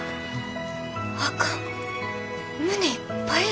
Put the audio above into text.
あかん胸いっぱいや。